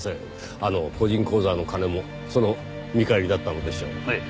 あの個人口座の金もその見返りだったのでしょう。